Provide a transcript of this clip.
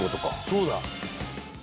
そうだ。